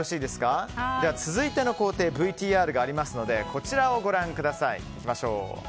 続いての工程ＶＴＲがありますのでこちらをご覧ください。